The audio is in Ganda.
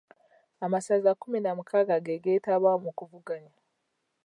Amasaza kkumi na mukaaga ge geetaba mu kuvuganya.